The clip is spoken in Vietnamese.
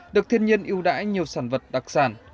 được thiên nhiên yêu đãi nhiều sản vật đặc sản